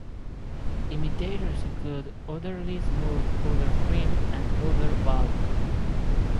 Imitators include Udderly Smooth Udder Cream and Udder Balm.